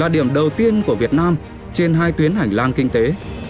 điều tiên của việt nam trên hai tuyến hành lang kinh tế